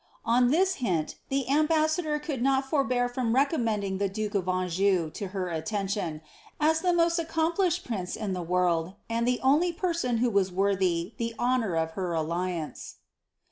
' On this hint, the ambassador could not forbear from recommending the duke of Anjou to her attention, as the most accomplished prince in the world, and the only person who was worthy the honour of her alliance.'